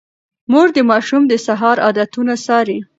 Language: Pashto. مور د ماشوم د سهار عادتونه څاري.